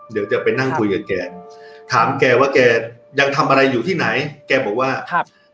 เดี๋ยวจะไปนั่งคุยกับแกถามแกว่าแกยังทำอะไรอยู่ที่ไหนแกบอกว่าครับ